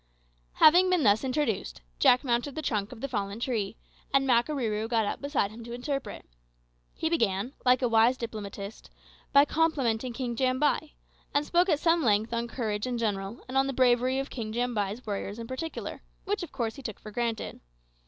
Having been thus introduced, Jack mounted the trunk of the fallen tree, and Makarooroo got up beside him to interpret. He began, like a wise diplomatist, by complimenting King Jambai, and spoke at some length on courage in general, and on the bravery of King Jambai's warriors in particular; which, of course, he took for granted.